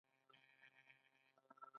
بس نهه بجو روانیږي